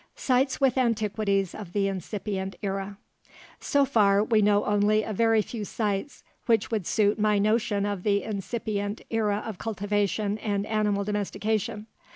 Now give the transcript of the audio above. SITES WITH ANTIQUITIES OF THE INCIPIENT ERA So far, we know only a very few sites which would suit my notion of the incipient era of cultivation and animal domestication.